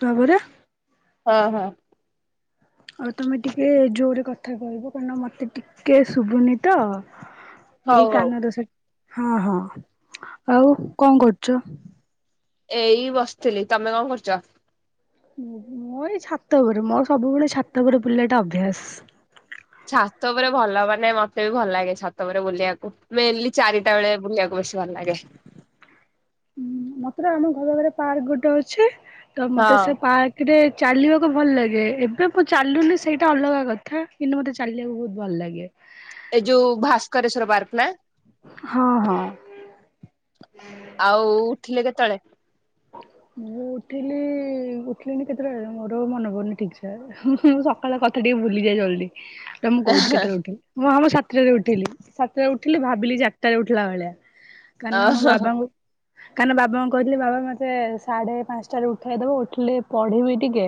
ତାପରେ ହଁ ହଁ। ଆଉ ତମେ ଟିକେ ଜୋରରେ କଥା କହିବ କାରଣ ମତେ ଟିକେ ଶୁଭୁନି ତ। ଏଇ ହଉ ହଉ କାନ ଦୋସ ହଁ ହଁ ଆଉ କଣ କରୁଚ? ଏଇ ବସିଥିଲି ତମେ କଣ କରୁଚ? ମୁଁ ଏଇ ଛାତ ଉପରେ ମୋର ସବୁବେଳେ ଛାତ ଉପରେ ବୁଲିବାଟା ଅଭ୍ୟାସ। ଛାତ ଉପରେ ଭଲ ମାନେ ମତେ ବି ଭଲ ଲାଗେ ଛାତ ଉପରେ ବୁଲିବାକୁ ମେନଲି ଚାରିଟା ବେଳେ ବୁଲିବାକୁ ବେଶୀ। ଭଲ ଲାଗେ। ମତ୍ର ଆମ ଘରେ ଆଗରେ ପାର୍କ ଗୋଟେ ଅଛି ତ ମତେ ହଁ ସେ ପାର୍କ ସେଟେ ଚାଲିବାକୁ ଭଲ ଲାଗେ ଏବେ ମୁଁ ଚାଲୁନି ସେଇଟା ଅଲଗା କଥା କିନ୍ତୁ ମତେ ଚାଲିଲାକୁ ବୋହୁତ ଭଲ ଲାଗେ। ଏଇ ଯୋଉ ଭାସ୍କରେଶ୍ଵର ପାର୍କ ନା? ହଁ ହଁ। ଆଉ ଉଠିଲେ କେତେବେଳେ? ମୁଁ ଉଠିଲି ଉଠିଲିିନି କେତେଟା ବେଳେ ମୋର ମନ ପଡୂନି ଠିକ୍ ସେ। ହୁଁ ହୁଁ ସକାଳ କଥା ଟିକେ ଭୁଲିଯାଏ ଜଲ୍ଦି ରୁହ ମୁଁ କୋହୁଛି କେତେବେଳେ ଉଠିଲି। ମୁଁ ଆମ ସାତଟାରେ ଉଠିଲି ସାତଟାରେ ଉଠିଲି ଭାବିଲି ଯେ ଚାରିଟାରେ ଉଠିଲା ଭଳିଆ। ଅ କାରଣନ ମୋ ବାବାଙ୍କୁ କାରଣନ ବାବାଙ୍କୁ କହିଥିଲେ ବାବା ମତେ ସାଢେ ପାଞ୍ଚଟାରେ ଉଠେଇଦବ ଉଠିଲେ ପଢିବି ଟିକେ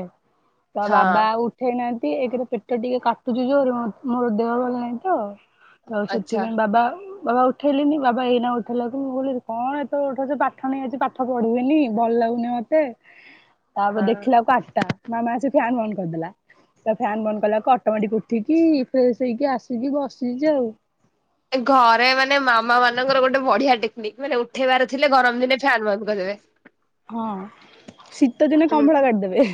ତ ବାବା ହଁ ଆଉ ଉଠେଇନାହାନ୍ତି ଏକେରେ ପେଟ ଟିକେ କାଟୁଚି ଯୋଉରେ ମୋର ଦେହ ଭଲ ନାହିଁ ତ। ତା ସତି ଆଚ୍ଛା ପାଇଁ ବାବା ବାବା ଉଠେଇଲିନି ବାବା ଏଇନା ଉଠେଇଲା କି ମୁଁ କହିଲି କଣ ଏତେ ଉଠଉଛ ପାଠ ନାଇ ଆଜି ପାଠ ପଢିବିନି ଭଲ ଲାଗୁ ମତେ ତାପରେ ହଁ ଦେଖିଲା ଆଟଟା ମାମା ଆସିକି ଫ୍ୟାନ୍ ବନ୍ଦ କରିଦେଲା। ତା ଫ୍ୟାନ୍ ବନ୍ଦ କଲା ଅଟମେଟୀକ୍ ଉଠିକି ଫ୍ରେଶ ହେଇକି ଆସିକି ବସିଛି ଆଉ। ଏ ଘରେ ମାନେ ମାମା ମାନଙ୍କର ଗୋଟେ ବଢିଆ ଟେକ୍ନିକ ମାନେ ଉଠେଇବାର ଥିଲେ ଗରମ ଦିନେ ଫ୍ୟାନ ବନ୍ଦ କରିଦେବେ। ହଁ ଶୀତ ଦିନେ ହୁଁ କମ୍ବଳ କାଢିଦେବେ।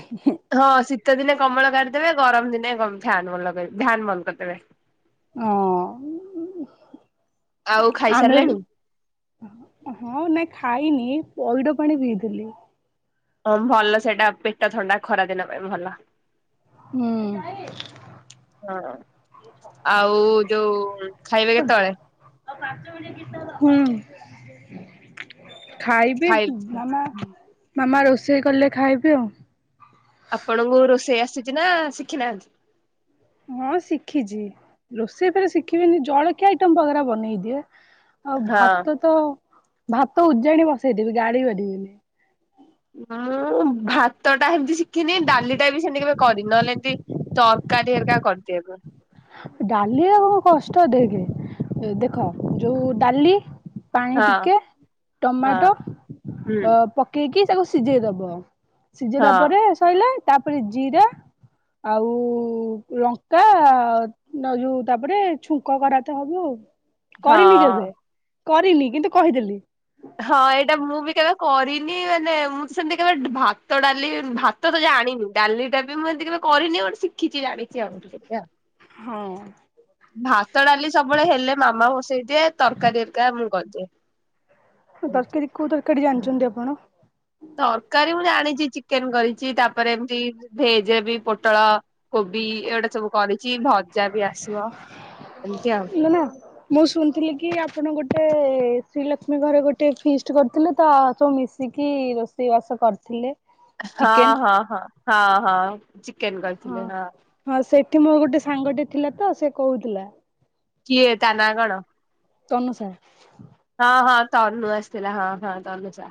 ହଁ ଶୀତ ଦିନେ କମଳ କଢିଦେବେ ଗରମ ଦିନେ କ ଫ୍ୟାନ ବନ୍ଦ ମଲଗେଇବେ ଫ୍ୟାନ ବନ୍ଦ କରିଦେବେ। ଅ ଆଉ ଆମେ ବି ଖାଇସାରିଲେଣି? ଅ ହଁ ନାଇ ଖାଇନି ପଇଡ ପାଣି ପିଇଥିଲି। ହ ଭଲ ସେଟା ପେଟ ଥଣ୍ଡା ଖରାଦିନ ପାଇଁ ଭଲ। ହୁଁ। ହଁ ଆଉ ଯୋଉ ଖାଇବେ କେତବେଳେ? ହୁଁ। ଖାଇବି ଖାଇ ମାମା, ମାମା ରୋଷେଇ କଲେ ଖାଇବି ଆଉ। ଆପଣଙ୍କୁ ରୋଷେଇ ଆସିଚି ନା ଶିଖି ନାହାନ୍ତି? ହଁ ଶିଖିଚି, ରୋଷେଇ ଫେରେ ଶିଖିବେନି ଜଳଖିଆ ଆଇଟମ୍ ବଗରା ବନେଇଦିଏ। ଆଉ ହଁ। ଭାତ ତ ଭାତ ଉଜାଣି ବସେଇଦେବି ଗାଳି ପାରିବିନି। ହଁ ମୁଁ ଭାତ ଟା ହେମିତି ଶିଖିନି ଡାଲି ଟା ବି ସେମିତି କେବେ କରିନି ନଏଲେ ଏମତି ତରକାରୀ ହରିକା କରିଦିଏ। ଡାଲିରେ କଣ କଷ୍ଟ ଦେଖେ, ଦେଖ ଯୋଉ ଡାଲି ପାଣି ହଁ ଟିକେ ହଁ ଟମାଟୋ ହୁଁ ଅ ପକେଇକି ତାକୁ ସିଝେଇ ଦବ। ସିଜେଇ ହଁ ଦବା ପରେ, ଶଇଲା ତାପରେ ଜିରା ଆଉ ଲଙ୍କା ଦ ଯୋଉ ତାପରେ ଛୁଙ୍କ କରା ହବ ଆଉ ହଁ। କରିନି କେବେ। କରିନି କିନ୍ତୁ କହିଦେଲି। ହଁ ଏଇଟା ମୁଁ ବି କେବେ କରିନି ମାନେ ମୁଁ ସେମତି କେବେ ଭାତ ଡାଲି ଭାତ ଭାତ ଜାଣିନି ଡାଲି ଟା ବି ମୁଁ ଏମତି କେବେ କରିନି ଗୋଟେ ଶିଖିଛି ଜାଣିଛି ଦେଖିଆ। ହଁ ଭାତ ଡାଲି ସବୁବେଳେ ହେଲେ ମାମା ବସେଇଦିଏ ତରକାରୀ ଏକା ମୁଁ କରିଦିଏ। ଏମିତି। ତରକାରି କୋଉ ତରକାରି ଜାଣିଛନ୍ତି ଆପଣ। ତକାରୀ ମୁଁ ଜାଣିଚି ଚିକେନ କରିଚି ତାପରେ ଏମିତି ଭେଜ ବି ପୋଟୁଳ କୋବି ଏଉଡା ସବୁ କରିଚି ଭଜା ବି ଆସିବ ଏମିତି ଆଉ। ହେଲାନା ମୁଁ ଶୁଣିଥିଲି କି ଆପଣ ଗୋଟେ ଶ୍ରୀଲକ୍ଷ୍ମୀ ଘରେ ଗୋଟେ ଫିଷ୍ଟି କରିଥିଲେ ତା ସବୁ ମିଶି ଶିକି ରୋଷେଇବାସ କରିଥିଲେ। ହଁ ଚିକେନ ହଁ ହଁ ହଁ ହଁ ଚିକେନ କରିଥିଲେ ହଁ। ହଁ ସେଠି ମୋ ଗୋଟେ ସାଙ୍ଗଟେ ଥିଲା ତ ସେ କହୁଥିଲା। କିଏ ତା ନା କଣ? ତନୁସା ହଁ ହଁ ତନୁ ଆସିଥିଲା ହଁ ହଁ ତନୁସା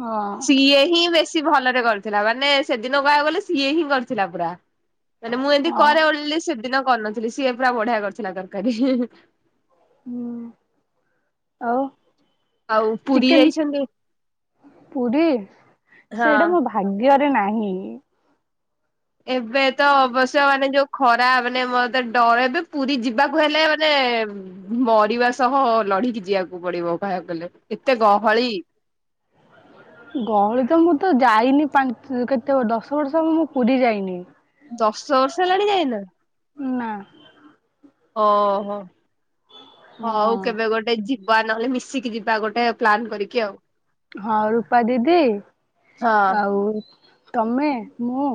ହଁ ସିଏ ହିଁ ବେଶୀ ବେଶୀ ଭଲରେ କରିଥିଲା। ମାନେ ସେଦିନ କହିବାକୁ ଗଲେ ସିଏ ହିଁ କରିଥିଲା ପୁରା। ମାନେ ମୁଁ ଏମିତି ହଁ। କରେ ବୋଲି ସେଦିନ କରିନଥିଲି ସିଏ ପୁରା ବଢିଆ କରିଥିଲା ତର୍କାରୀ ହୁଁ ଆଉ ଆଉ ପୁରୀ ଯାଇଛନ୍ତି? ଚିକେନ ପୁରୀ ହଁ ସେଇଟା ମୋ ଭା ଭାଗ୍ୟରେ ନାହିଁ। ଏବେ ତ ଅବଶ୍ୟ ମାନେ ଯୋଉ ଖରା ମାନେ ମତେ ଡଏ ବି ପୁରୀ ଯିବାକୁ ହେଲେ ମାନେ ମରିବା ସହ ଲଢିକି ଯିବାକୁ ପଡିବ କହିବାକୁ ଗଲେ। ଏତେ ଗହଳି। ଗହଳି ତ ମୁଁ ତ ଯାଇନି ପା କେତେ ଦଶ ବର୍ଷ ହବ ମୁଁ ପୁରୀ ଯାଇନି। ଦଶ ବର୍ଷ ହେଲାଣି ଯାଇନ। ନାଁ ଓ ହୋ ହଁ ହୋଉ କେବେ ଗୋଟେ ଗୋଟେ ଯିବା ନହେଲେ ମିଶିକି ଯିବା ଗୋଟେ ପ୍ଲାନ୍ କରିକି ଆଉ। ହଁ ରୂପା ଦିଦି ହଁ ଆଉ ତମେ ମୁ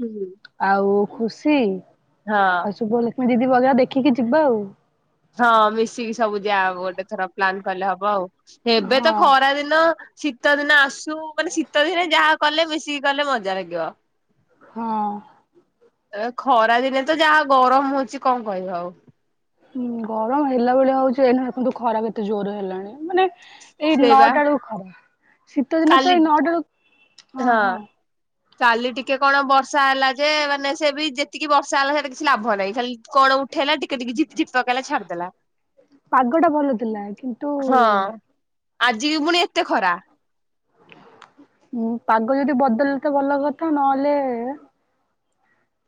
ହୁଁ [unintelligible] ଆଉ ଖୁସି ହଁ ଆଉ ଶୁଭଲକ୍ଷ୍ମୀ ଦିଦି ବଗା ଦେଖିକି ଯିବା ଆଉ ହଁ ମିଶିକି ସବୁ ଯାଓ ଗୋଟେ ଥର ପ୍ଲାନ୍ କଲେ ହବ ଆଉ ଏବେ ତ ହଁ ଖରା ଦିନ ଶୀତ ଦିନ ଆସୁ ମାନେ ଶୀତ ଦିନେ ଯାହା କଲେ ମିଶିକି କଲେ ମଜା ଲାଗିବ। ହଁ। ଏ ଖରା ଦିନେ ତ ଯାହା ଗରମ ହଉଛି କଣ କହିବ ଆଉ ‌। ହୁଁ ଗରମ ହେଲା ଭଳିଆ ହଉଛି ଏଇନ ଦେଖନ୍ତୁ ଖରା ବି ଏତେ ଜୋର ହେଲାଣି ମାନେ ଏଇ ସେଇବା ନଅଟା ବେଳକୁ ଖରା ଶୀତ ଦିନ ତ କାଲି ଏଇ ନଅଟା ବେଳକୁ ହଁ ହଁ। କାଲି ଟିକେ କଣ ବର୍ଷା ହେଲା ଯେ ମାନେ ସେ ବି ଯେତିକି ବର୍ଷା ହେଲା ସେଟା କିଛି ଲାଭ ନାହିଁ ଖାଲି କଣ ଉଠେଇଲା ଟିକେ ଟିକେ ଝିପି ଝିପି ପକେଇଲା ଛାଡିଦେଲା। ପାଗଟା ଭଲ ଥିଲା କିନ୍ତୁ ହଁ ଆଜି ବି ପୁଣି ଏତେ ଖରା। ହଁ ପାଗ ଯଦି ବଦଲ ତ ଭଲ କଥା ନହେଲେ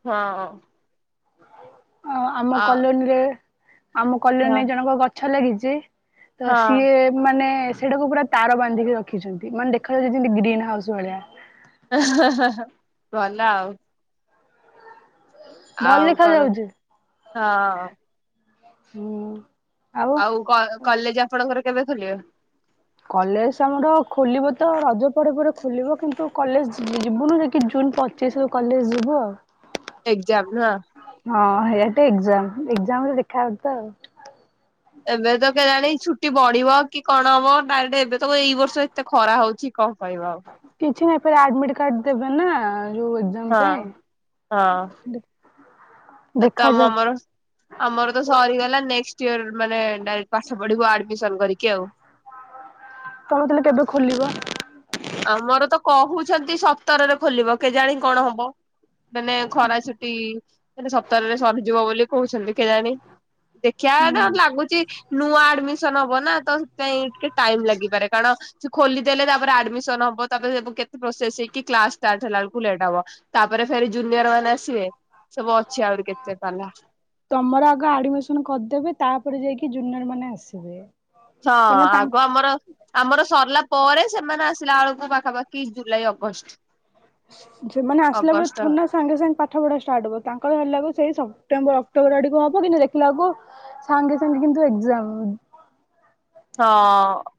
ହଁ। ଅ ଆମ ଆ କଲୋନୀରେ ଆମ ହଁ କଲୋନୀରେ ଜଣଙ୍କ ଗଛ ଲାଗିଛି। ତ ହଁ ସିଏ ମାନେ ସେଟାକୁ ପୁରା ତାର ବାନ୍ଧିକି ରଖିଛନ୍ତି ମାନେ ଦେଖାଯାଉଛି ଯେମତି ଗ୍ରୀନ ହାଉସ ଭଳିଆ। ଅହଁ ଅହଁ ଅହଁ ଭଲ ଆଉ। ଭଲ ଆଉ ଦେଖା କଣ? ଯାଉଛି ହଁ। ହୁଁ। ଆଉ କ କଲେଜ ଆପଣଙ୍କର କେବେ ଖୋଲିବ। କଲେଜ ଆମର ଖୋଲିବ ତ ରଜପରେ ପରେ ଖୋଲିବ କିନ୍ତୁ କଲେଜ ଯିବୁ ଯିବୁନି ଯେକି ଜୁନ୍ ପ ଚିଶ୍ ରୁ କଲେଜ ଯିବୁ ଆଉ। ଏକ୍ଜାମ୍ ନା? ହଁ ହେଇଆଟେ ଏଜାମ ଏଜାମରେ ଦେଖା ହବ ତ ଆଉ। ଏବେ ତ କେ ଜାଣି ଛୁଟି ବଢିବ କି କଣ ହବ ଡାଇରେକ୍ଟରେ ଏବେ ତ ଏଇ ବର୍ଷ ଏତେ ଖରା ହଉଛି କଣ କହିବ ଆଉ। କିଛି ନାହିଁ ଫିର ଆଡମିଟ କାର୍ଡ ଦେବେ ନା ଯୋଉ ଏକ୍ଜ୍ ହଁ ହଁ। ଅ ତମ ଦେଖାଯାଉ ଆମର ଆମର ତ ସରିଗଲା ନେକ୍ସଟ ଇୟର ମାନେ ଡାଇରେକ୍ଟ ପାଠ ପଢିବୁ ଆଡମିସନ କରିକି ଆଉ। ତମ ତାହାହେଲେ କେବେ ଖୋଲିବ? ଆମର ତ କହୁଛନ୍ତି ସତରରେ ଖୋଲିବ କେଜାଣି କଣ ହବ। ମାନେ ଖରା ଛୁଟି ମାନେ ସତରରେ ସରିଯିବ ବୋଲି କହୁଛନ୍ତି କେଜାଣି। ଦେଖିବା ନା ହୁଁ ଲାଗୁଛି ନୂଆ ଆଡମିସନ ହବ ନା ତ ସେଥିପାଇଁ ଟିକେ ଟାଇମ ଲାଗିପାରେ। କାରଣ ସେ ଖୋଲିଦେଲେ ତାପରେ ଆଡମିସ୍ ସନ ହବ ତାପରେ ସେବୁ କେତେ ପ୍ରୋସେସ୍ ହେଇିକି କ୍ଲାସ ଷ୍ଟାର୍ଟ ହେଲା ବେଳକୁ ଲେଟ୍ ହବ। ତାପରେ ଫେର୍ ଜୁନିୟର ମାନେ ଆସିବେ ସବୁ ଅଛି ଆହୁରି କେତେ ପାଲା। ତମର ଆଗ ଆଡମିସନ କରିଦେବେ ତାପରେ ଯାଇକି ଜୁନିୟର ମାନେ ଆସିବେ ‌। ହଁ ଆଗ ଆମର ଆମର ସରିଲା ପରେ ସେମାନେ ଆସିଲା ବେଳକୁ ପାଖାପାଖି ଜୁଲାଇ ଅଗଷ୍ଟ। ସେ ସେମାନେ ଆସିଲା ବଳେ ଅଗଷ୍ଟ ଥୋଡ଼ିନା ସାଙ୍ଗେ ସାଙ୍ଗେ ପାଠ ପଢା ଷ୍ଟାର୍ଟ ହବ ତାଙ୍କର ହେଲାବେଳକୁ ସେଇ ସେପ୍ଟେମ୍ବର ଅକ୍ଟୋବର ଆଡକୁ ହବ କି କିନ୍ତୁ ଦେଖିଲାବେଳକୁ ସାଙ୍ଗେ ସାଙ୍ଗେ କିନ୍ତୁ ଏକ୍ଜାମ୍। ହଁ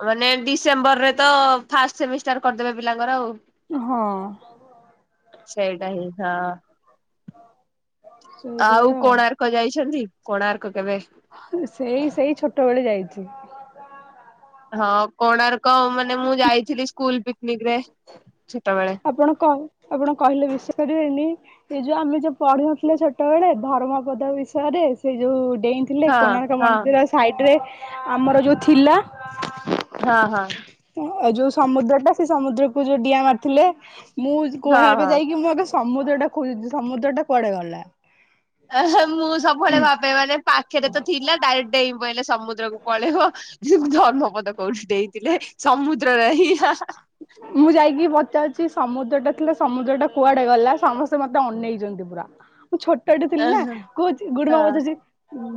ମାନେ ଡିସେମ୍ବରରେ ତ ଫାଷ୍ଟ ସେମିଷ୍ଟାର କରିଦେବେ ପିଲାଙ୍କର ଆଉ। ହଁ। ସେଇଟା ହିଁ ହଁ ଆଉ ସେଇଭଳିଆ କୋଣାର୍କ କ ଯାଇଛନ୍ତି କୋଣାର୍କ କେବେ? ହଁ ସେଇ ସେଇ ଛୋଟବେଳେ ଯାଇଛି। ହଁ କୋଣାର୍କ ମାନେ ମୁଁ ଯାଇଥିଲି ସ୍କୁଲ ପିକନିକରେ ଛୋଟବେଳେ। ଆପଣ କଣ ଆପଣ କହିଲେ ବିସି କରିବେନି, ଏ ଯୋଉ ଆମେ ଯୋଉ ପଢିିନଥିଲେ ଛୋଟବେଳେ। ଧର୍ମପଦ ବିଷୟରେ, ସେ ଯୋଉ ଡେଇଁ ଥିଲେ ହଁ କୋଣାର୍କ ହଁ ମନ୍ଦିର ସାଇଡରେ ଆମର ଯୋଉ ଥିଲା ହଁ ହଁ ଆଉ ଯୋଉ ସମୁଦ୍ର ଟା ସେ ସମୁଦ୍ରକୁ ଯୋଉ ଡିଆ ମାରିଥିଲେ। ମୁଁ ହଁ କୋଣାର୍କ ହଁ। ଯାଇକି ମୁଁ ଆଗ ସମୁଦ୍ର ଟା ଖୋଜଛି ସମୁଦ୍ର ଟା କୁଆଡେ ଗଲା? ମୁଁ ସବୁବେଳେ ଭାବେ ମାନେ ପାଖରେ ତ ଥିଲା ଡାଇକ୍ଟ ଡେଇଁ ପଇଲା, ସମୁଦ୍ରକୁ ପଳେଇବ। ଧର୍ମପଦ କୋଉଠି ଦେଇଥିଲେ ସମୁଦ୍ରରେ ହିଁ ହା ହା। ମୁଁ ଯାଇକି ପଚାରୁଛି ସମୁଦ୍ର ଟା ଥିଲେ ସମୁଦ୍ର ଟା କୁଆଡେ ଗଲା, ସମସ୍ତେ ମତେ ଅନେଇଛନ୍ତି ପୁରା। ମୁଁ ଛୋଟଟେ ଥିଲି ନା ଓହୋ କହୁଛି ଗୁଡମା ହଁ ମତେଆସେ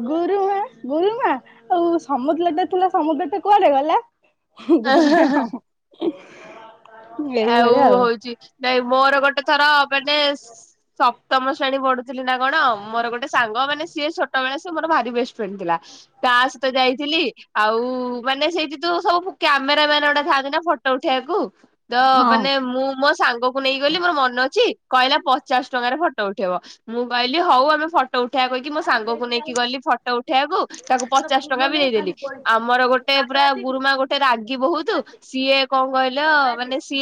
ଗୁରୁମା ଗୁରୁମା ଆଉ ସମୁଦ୍ରଟା ଥିଲା ସମୁଦ୍ରଟା କୁଆଡେ ଗଲା? ଘ [unintelligible] ଆଉ ହଉଛି ନାଇଁ ମୋର ଗୋଟେ ଥର ମାନେ ସପ୍ତମ ଶ୍ରେଣୀ ପଢୁଥିଲି ନା କଣ ମୋର ଗୋଟେ ସାଙ୍ଗ। ମାନେ ସିଏ ଛୋଟ ବେଳେ ସିଏ ମୋର ଭାରି ବେଷ୍ଟ ଫ୍ରେଣ୍ଡ ଥିଲା ତା ସହିତ ଯାଇଥିଲି। ଆଉ ମାନେ ସେଇଠି ତୁ ସବୁ କ୍ୟାମେର ମ୍ୟାନ ଗୁଡା ଥାଆନ୍ତି ନା ଫଟୋ ଉଠେଇବାକୁ। ତ ଆଉ ମାନେ ମୁଁ ମୋ ସାଙ୍ଗକୁ ନେଇ ଗଲି ମୋର ମନ ଅଛି। କହିଲା ପଚାଶ ଟଙ୍କାରେ ଫଟୋ ଉଠେଇବ। ମୁଁ କହିଲି ହଉ ଆମେ ଫଟୋ ଉଠେଇବା କହିକି ମୋ ସାଙ୍ଗକୁ ନେଇକି ଗଲି ଫଟୋ ଉଠେଇବାକୁ। ତାକୁ ପଚାଶ ଟଙ୍କା ବି ଦେଇଦେଲି। ଆମର ଗୋଟେ ପୁରା ଗୁରୁମା ଗୋଟେ ରାଗି ବହୁତ। ସିଏ କଣ କହିଲ ମାନେ ସେ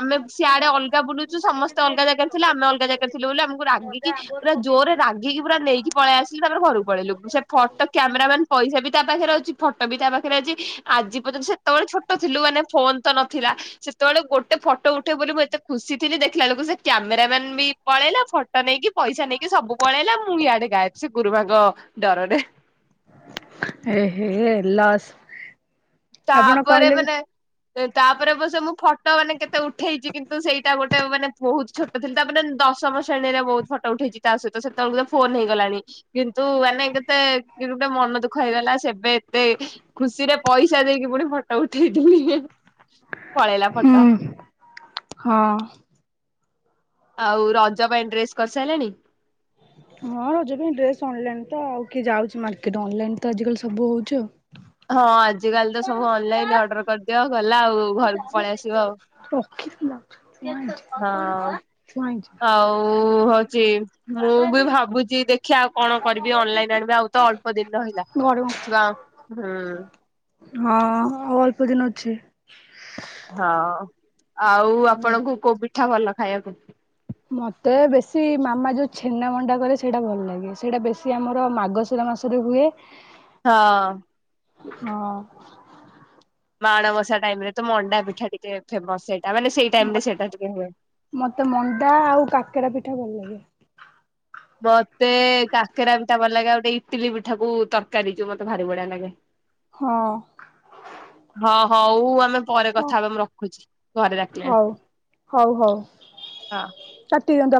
ଆମେ ସିଆଡେ ଅଲଗା ବୁଲୁଚୁ। ସମସ୍ତେ ଅଲଗା ଜାଗାରେ ଥିଲେ। ଆମେ ଅଲଗା ଜାଗାରେ ଥିଲୁ ବୋଲି ଆମକୁ ରାଗି କି ପୁରା ଜୋରେ ରାଗିକି ପୁରା ନେଇକି ପଳେଇ ଆସିଲେ। ତାପରେ ଘରକୁ ପଳେଇଲୁ। ସେ ଫଟୋ ସେ କ୍ୟାମେର ମ୍ୟାନ ପଇସା ବି ତା ପାଖରେ ଅଛି। ଫଟୋ ବି ତା ପାଖରେ ଅଛି। ଆଜି ପର୍ଯ୍ୟନ୍ତ ସେତେବେଳେ ଛୋଟ ଥିଲୁ। ମାନେ ଫୋନ ତ ନଥିଲା। ସେତେବେଳେ ଗୋଟେ ଫଟୋ ଉଠେଇବୁ ବୋଲି ମୁଁ ଏତେ ଖୁସି ଥିଲି। ଦେଖିଲା ବଳକୁ ସେ କ୍ୟାମେର ମ୍ୟାନ ବି ପଳେଇଲା। ଫଟୋ ନେଇକି, ପଇସା ନେଇକି ସବୁ ପଳେଇଲା। ମୁଁ ଇଆଡେ ଗାଏବ। ସେ ଗୁରୁମାଙ୍କ ଡରରେ। ଏହେ ଲସ୍। ଆପଣ ତାପରେ କହିଲେ ମାନେ ତାପରେ ଅବଶ୍ୟ ମୁଁ ଫଟୋ ମାନେ କେତେ ଉଠେଇଛି। କିନ୍ତୁ ସେଇଟା ଗୋଟେ ମାନେ ବହୁତ ଛୋଟ ଥିଲି। ତାପରେ ଦଶମ ଶ୍ରେଣୀରେ ବହୁତ ଫଟୋ ଉଠେଇଛି ତା ସହିତ। ସେତେବେଳକୁ ଫୋନ ହେଇଗଲାଣି। କିନ୍ତୁ ମାନେ କେତେ ଗୋଟେ ମନ ଦୁଃଖ ହେଇଗଲା। ସେବେ ଏତେ ଖୁସିରେ ପଇସା ପଇସା ଦେଇକି ପୁଣି ଫଟୋ ଉଠେଇଥିଲି। ପଳେଇଲା ହୁଁ ଫଟୋ। ହଁ ଆଉ ରଜ ପାଇଁ ଡ୍ରେସ କରିସାରିଲଣି? ହଁ ରଜ ପାଇଁ ଡ୍ରେସ୍ ଅନଲାଇନ୍ ତ ଆଉ। କିଏ ଯାଉଛି ମାର୍କେଟ। ଅନଲାଇନ୍ ତ ଆଜିକାଲି ସବୁ ହେଉଛି ଆଉ। ହଁ ଆଜିକାଲି ତ ସବୁ ଅନଲାଇନ ଅର୍ଡର କରିଦିଅ। ଗଲା ଆଉ ଘରକୁ ପଳେଇ ଆସିବ ଆଉ। ରାଇ [unintelligible] ଓ ହଉଛି [unintelligible] ମୁଁ ବି ଭାବୁଛି ଦେଖିବା ଆଉ କଣ କରିବି। ଅନଲାଇନ ଆଣିବି ଆଉ ତ ଅଳ୍ପ ଦିନ ରହିଲା। ଘରେ ହଁ ିବା ହୁଁ [unintelligible] ହଁ ଆଉ ଅଳ୍ପ ଦିନ ଅଛି। ହଁ ଆଉ ହୁଁ। ଆପଣଙ୍କୁ କୋଉ ପିଠା ଭଲ ଖାଇବାକୁ? ମତେ ବେଶୀ ମାମା ଯୋଉ ଛେନା ମଣ୍ଡା କରେ ସେଇଟା ଭଲ ଲାଗେ। ସେଇଟା ବେଶୀ ଆମର ମାର୍ଗ ସିର ମାସରେ ହୁଏ। ହଁ ହଁ। ମାଣବସା ଟାଇମରେ ତ ମଣ୍ଡା ପିଠା ଟିକେ ଫେମସ ସେଇଟା ମାନେ ସେଇ ଟାଇମ ସେଇଟା ଟିକେ ହୁଏ। ମତେ ମଣ୍ଡା ଆଉ କାକେରା ପିଠା ଭଲ ଲାଗେ। ମତେ କାକେରା ପିଠା ଭଲ ଲାଗେ ଗୋଟେ ଇଟିଲି ପିଠାକୁ ତରକାରୀ ଯୋଉ ମତେ ଭାରି ବଢିଆ ଲାଗେ। ହ ହଁ। ହଁ ହଉ ଆମେ ପରେ ହ କଥା ହବା ମୁଁ ରଖୁଛି ଘରେ ଡାକିଲେଣି ହଉ ହଉ ହଉ ହଁ। କାଟି ଦିଅନ୍ତୁ ଆପ